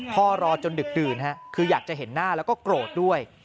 รอจนดึกดื่นคืออยากจะเห็นหน้าแล้วก็โกรธด้วย